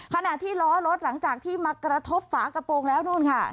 ขณะที่ล้อรถหลังจากที่มากระทบฝากระโปรงแล้วนู่นค่ะ